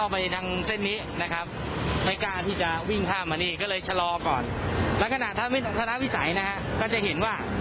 ภาระวิสัยก็จะเห็นว่า